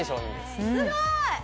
すごーい！